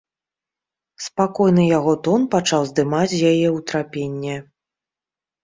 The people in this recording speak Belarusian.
Спакойны яго тон пачаў здымаць з яе ўтрапенне.